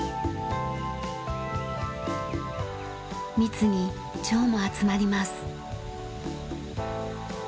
蜜にチョウも集まります。